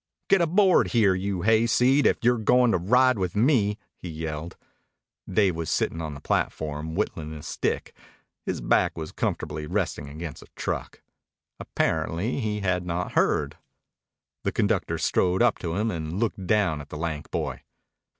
"Get aboard here, you hayseed, if you're goin' to ride with me!" he yelled. Dave was sitting on the platform whittling a stick. His back was comfortably resting against a truck. Apparently he had not heard. The conductor strode up to him and looked down at the lank boy.